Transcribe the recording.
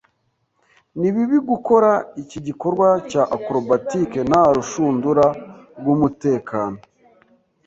Ni bibi gukora iki gikorwa cya acrobatic nta rushundura rwumutekano.